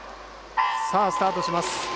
スタートします。